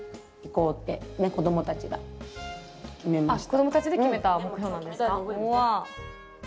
子どもたちで決めた目標なんですか、うわあ。